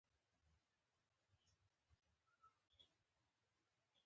د هغه د حکومت په دوران کې بابریانو وده وکړه.